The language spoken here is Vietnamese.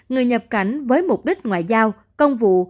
người nhập cảnh với mục đích ngoại giao công vụ